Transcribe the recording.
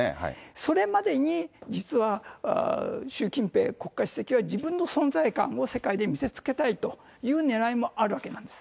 それ以外に実は習近平国家主席は自分の存在感を世界で見せつけたいというねらいもあるわけなんです。